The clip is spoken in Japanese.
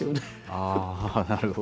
ああなるほど。